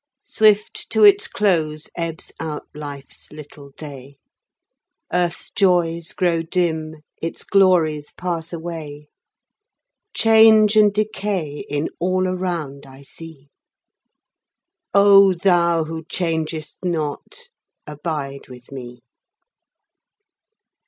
Swift to its close ebbs out life's little day; Earth's joys grow dim, its glories pass away; Change and decay in all around I see; O Thou who changest not, abide with me!